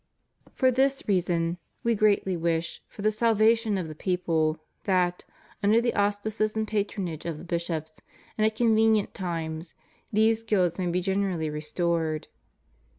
For this reason, We greatly wish, for the salvation of the people, that, under the auspices and patronage of the Bishops, and at convenient times, these guilds may be generally restored.